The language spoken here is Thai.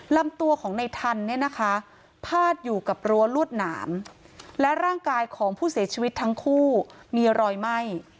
ลำตัวของในทันเนี่ยนะคะพาดอยู่กับรั้วลวดหนามและร่างกายของผู้เสียชีวิตทั้งคู่มีรอยไหม้